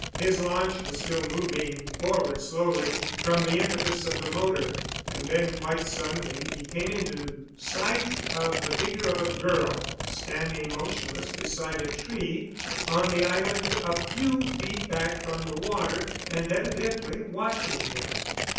His launch was still moving forward slowly from the impetus of the motor. And then, quite suddenly, he came into sight of the figure of a girl standing motionless beside a tree on the island a few feet back from the water and evidently watching him.